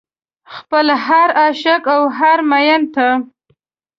خپل هر عاشق او هر مين ته